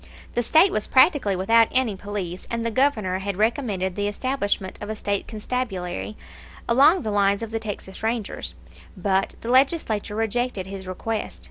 The State was practically without any police, and the Governor had recommended the establishment of a State Constabulary, along the lines of the Texas Rangers; but the Legislature rejected his request.